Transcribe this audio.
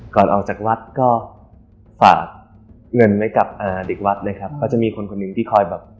ก่อนออกจากวัดก็ฝากเงินไว้กับอ่าเด็กวัดนะครับก็จะมีคนคนหนึ่งที่คอยแบบ